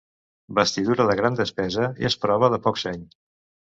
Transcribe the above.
Vestidura de gran despesa és prova de poc seny.